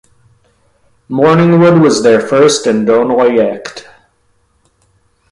Morningwood was their first and only act.